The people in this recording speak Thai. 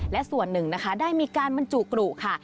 และส่วนหนึ่งนะคะได้มีการบรรจุกรุค่ะ